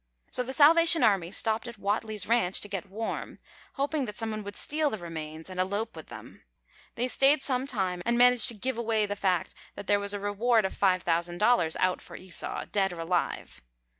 So the Salvation Army stopped at Whatley's ranch to get warm, hoping that someone would steal the remains and elope with them. They stayed some time and managed to "give away" the fact that there was a reward of $5,000 out for Esau, dead or alive.